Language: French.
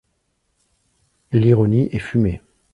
L’ironie est fumée.